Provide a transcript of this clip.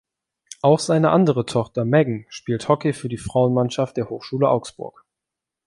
Auch seine andere Tochter Megan spielt Hockey für die Frauenmannschaft der Hochschule Augsburg.